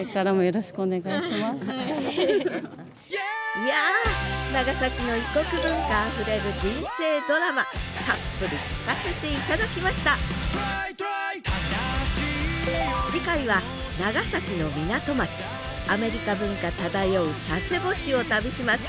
いや長崎の異国文化あふれる人生ドラマたっぷり聞かせて頂きました次回は長崎の港町アメリカ文化漂う佐世保市を旅します。